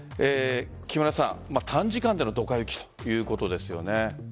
短時間でのドカ雪ということですよね。